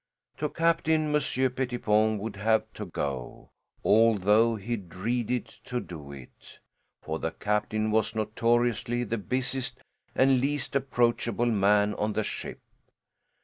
To the captain Monsieur Pettipon would have to go, although he dreaded to do it, for the captain was notoriously the busiest and least approachable man on the ship.